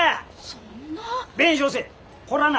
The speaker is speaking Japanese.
そんな。